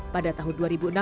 pada tahun dua ribu enam